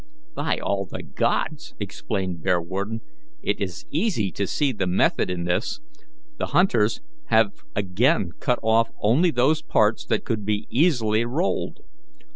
"By all the gods!" exclaimed Bearwarden, "it is easy to see the method in this; the hunters have again cut off only those parts that could be easily rolled.